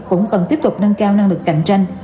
cũng cần tiếp tục nâng cao năng lực cạnh tranh